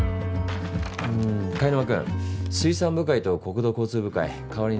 うん貝沼君水産部会と国土交通部会代わりに出てくれ。